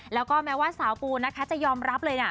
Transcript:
แล้วก็แม้ว่าสาวปูนะคะจะยอมรับเลยนะ